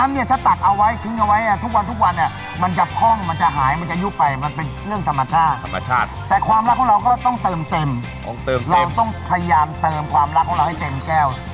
เราต้องพยายามเติมความรักของเราให้เต็มแก้ว